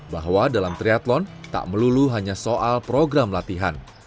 bahwa dalam triathlon tak melulu hanya soal program latihan